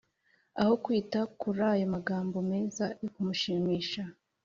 Aho kwita kur’ayo magambo meza yo kumushimisha